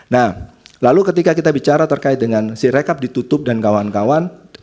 nah lalu ketika kita bicara terkait dengan sirekap ditutup dan kawan kawan